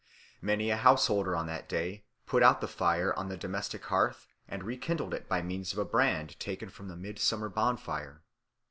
Many a householder on that day put out the fire on the domestic hearth and rekindled it by means of a brand taken from the midsummer bonfire.